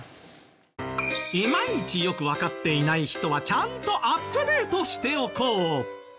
いまいちよくわかっていない人はちゃんとアップデートしておこう。